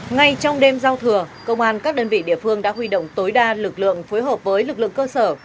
ngay trong đêm giao thừa công an các đơn vị địa phương đã huy động tối đa lực lượng phối hợp với lực lượng cơ sở